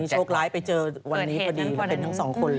โชคล้ายไปเจอวันนี้ประดีที่เห็นทั้งสองคน